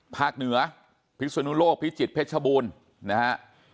ภาคเหนือพิสุนุโลกพิสิทธิ์เพชรบูลนะฮะ